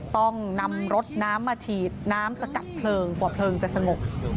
ต้องนำรถน้ำมาฉีดน้ำสกัดเพลิงกว่าเพลิงจะสงบ